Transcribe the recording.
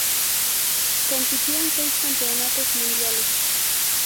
Compitió en seis campeonatos mundiales.